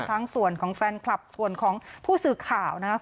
ทั้งส่วนของแฟนคลับส่วนของผู้สื่อข่าวนะครับ